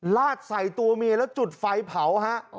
ลาดใส่ตัวเมียแล้วจุดไฟเผาฮะ